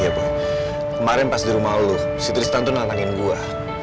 iya boy kemarin pas di rumah lo si tristan tuh nanganin gue